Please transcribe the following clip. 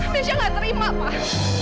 mesya gak terima pak